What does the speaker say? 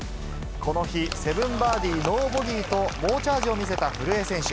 この日、７バーディーノーボギーと、猛チャージを見せた古江選手。